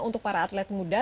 untuk para atlet muda